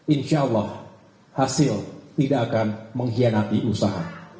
insya allah hasil tidak akan mengkhianati usaha